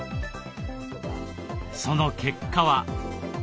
その結果は。